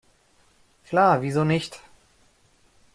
Klar, wieso nicht?